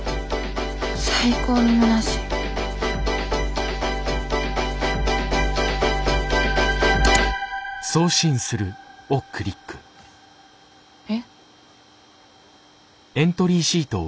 最高にむなしいえ？